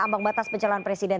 ambang batas pencalon presiden